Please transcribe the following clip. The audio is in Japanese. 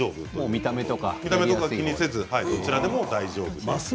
見た目は気にせずにどちらでも大丈夫です。